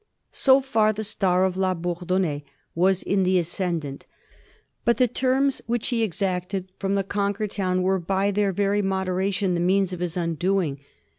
So far the star of La Bourdonnais was in the ascendent; but the terms which he exacted from the conquered town were, by their very moderation, the means of his undoing.